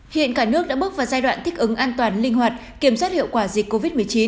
hiện cả nước đã bước vào giai đoạn thích ứng an toàn linh hoạt kiểm soát hiệu quả dịch covid một mươi chín